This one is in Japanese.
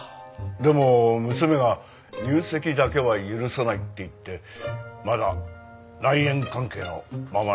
でも娘が入籍だけは許さないって言ってまだ内縁関係のままなんです。